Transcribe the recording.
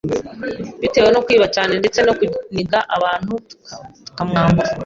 bitewe no kwiba cyane ndetse no kuniga abantu tukamwambura